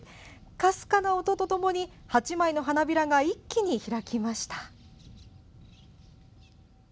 かすかな音とともに８枚の花びらが一気に開きました。